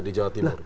di jawa timur